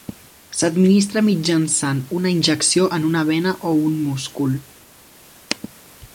S'administra mitjançant una injecció en una vena o un múscul.